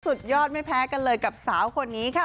สุดยอดไม่แพ้กันเลยกับสาวคนนี้ค่ะ